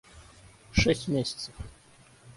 Шесть месяцев